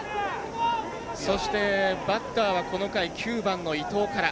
そして、バッターはこの回９番の伊藤から。